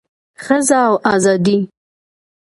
ښځه او ازادي